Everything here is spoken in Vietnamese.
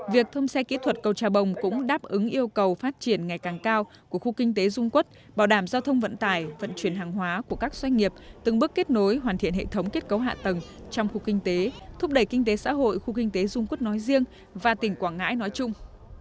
việc thông xe kỹ thuật cầu trà bồng cũng đáp ứng yêu cầu phát triển ngày càng cao của khu kinh tế dung quốc bảo đảm giao thông vận tải vận chuyển hàng hóa của các doanh nghiệp từng bước kết nối hoàn thiện hệ thống kết cấu hạ tầng trong khu kinh tế thúc đẩy kinh tế xã hội khu kinh tế dung quốc nói riêng và tỉnh quảng ngãi nói chung